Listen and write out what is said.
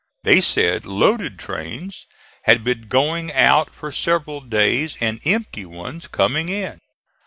They said loaded trains had been going out for several days and empty ones coming in.